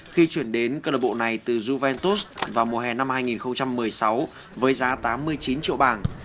khi chuyển đến club này từ juventus vào mùa hè năm hai nghìn một mươi sáu với giá tám mươi chín triệu bảng